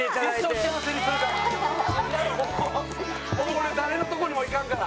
俺誰のとこにもいかんから。